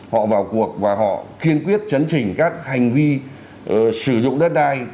họ vào cuộc và họ kiên quyết chấn trình các hành vi sử dụng đất đai